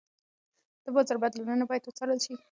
د بازار بدلونونه باید وڅارل شي.